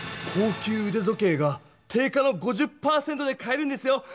高級うで時計が定価の５０％で買えるんですよ！